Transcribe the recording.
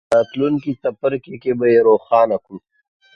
په راتلونکي څپرکي کې به یې روښانه کړو.